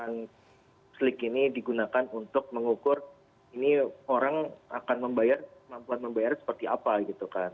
nah slik ini digunakan untuk mengukur ini orang akan membayar kemampuan membayar seperti apa gitu kan